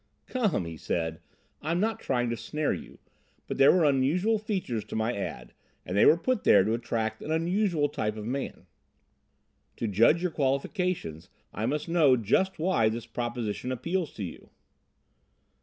"Come!" he said. "I'm not trying to snare you. But there were unusual features to my ad, and they were put there to attract an unusual type of man. To judge your qualifications, I must know just why this proposition appeals to you."